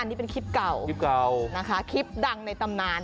อันนี้เป็นคลิปเก่าคลิปดังในตำนาน